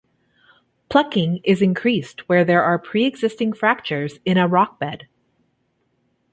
Plucking is increased where there are preexisting fractures in a rock bed.